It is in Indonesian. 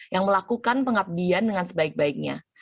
yang melakukan pengabdian dengan sebaik baiknya